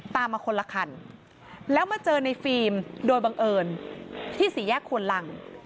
มาคนละคันแล้วมาเจอในฟิล์มโดยบังเอิญที่สี่แยกควนลัง